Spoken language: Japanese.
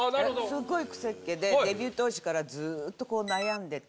すごいくせっ毛でデビュー当時からずっと悩んでて。